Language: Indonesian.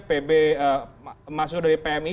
pb mahasiswa dari pmi